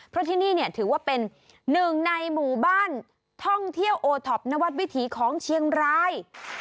เพราะที่นี่เนี่ยถือว่าเป็นหนึ่งในหมู่บ้านท่องเที่ยวโอท็อปนวัดวิถีของเชียงราย